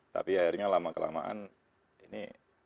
tapi akhirnya lama kelamaan ini